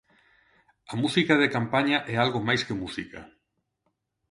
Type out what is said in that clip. A música de campaña é algo máis que música.